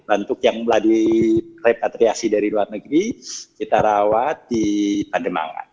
untuk yang melalui repatriasi dari luar negeri kita rawat di pademangan